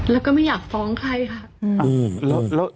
แล้วก็ไม่อยากฟ้องใครค่ะ